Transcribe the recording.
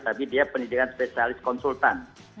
tapi dia pendidikan spesialis konsultan